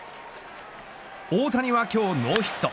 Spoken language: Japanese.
大谷は今日ノーヒット。